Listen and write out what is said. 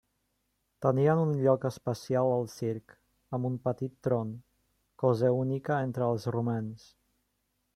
Tenien un lloc especial al circ, amb un petit tron, cosa única entre els romans.